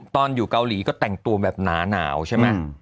ตอนอยู่เกาหลีก็แต่งตัวแบบหนาใช่ไหม